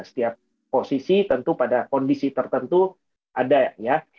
setiap posisi tentu pada kondisi tertentu ada ya